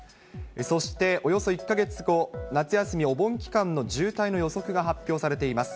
そして、およそ１か月後、夏休みお盆期間の渋滞の予測が発表されています。